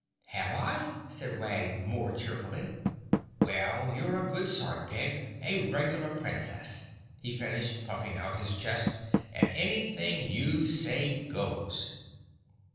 "Have I?" said Wag more cheerfully. "Well, you're a good sort, Peg—a regular Princess!" he finished, puffing out his chest, "and anything you say goes."